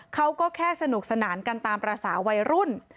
เขาก็แค่สนุกสนานกันตามภาษาวัยรุ่น